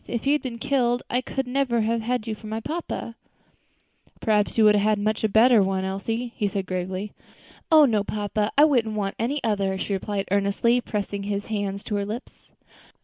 If you had been killed I could never have had you for my papa." "Perhaps you might have had a much better one, Elsie," he said gravely. "Oh! no, papa, I wouldn't want any other," she replied earnestly, pressing his hand to her lips.